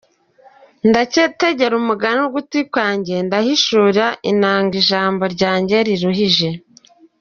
Ndategera umugani ugutwi kwanjye, Ndahishuza inanga ijambo ryanjye riruhije.